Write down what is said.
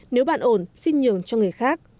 nếu bạn ổn xin nhường cho người khác